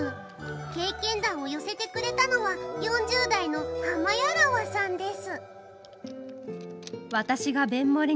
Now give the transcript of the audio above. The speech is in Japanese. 経験談を寄せてくれたのは４０代の、はまやらわさんです。